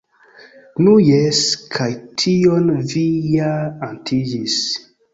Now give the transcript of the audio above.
Nu jes, kaj tion vi ja atingis.